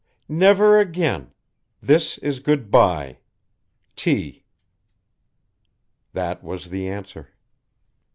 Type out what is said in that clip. "Never again. This is good bye." "T." That was the answer.